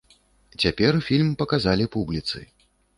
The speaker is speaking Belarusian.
Цяпер фільм паказалі публіцы.